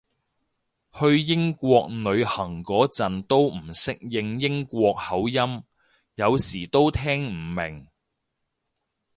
去英國旅行嗰陣都唔適應英國口音，有時都聽唔明